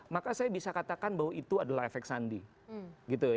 maka saya bisa katakan bahwa itu adalah efek sandi